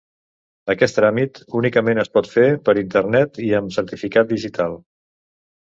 Aquest tràmit únicament es pot fer per internet i amb certificat digital.